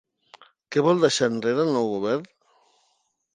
Què vol deixar enrere el nou govern?